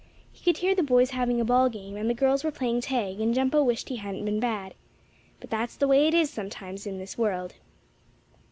He could hear the boys having a ball game, and the girls were playing tag, and Jumpo wished he hadn't been bad. But that's the way it is sometimes in this world.